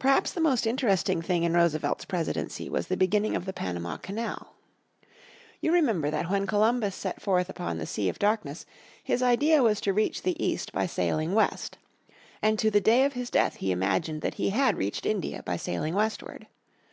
Perhaps the most interesting thing in Roosevelt's presidency was the beginning of the Panama Canal. You remember that when Columbus set forth upon the Sea of Darkness his idea was to reach the east by sailing west. And to this day of his death he imagined that he had reached India by sailing westward.